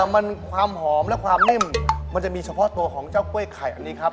มันความหอมและความนิ่มมันจะมีเฉพาะตัวของเจ้ากล้วยไข่อันนี้ครับ